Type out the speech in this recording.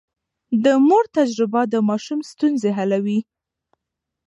د مور تجربه د ماشوم ستونزې حلوي.